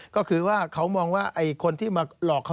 ก็คือว่าเขามองว่าไอ้คนที่มาหลอกเขา